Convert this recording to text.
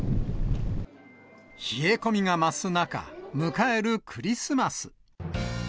冷え込みが増す中、迎えるクリスマス。